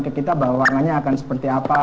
ke kita bahwa warnanya akan seperti apa